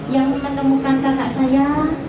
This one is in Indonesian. yang menemukan kakak saya